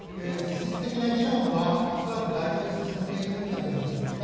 実質的な議論は恐らくだいぶ進んでいるんだと思います。